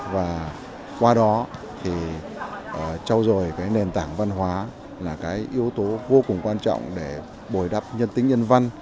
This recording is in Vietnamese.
và qua đó thì trao dồi cái nền tảng văn hóa là cái yếu tố vô cùng quan trọng để bồi đắp nhân tính nhân văn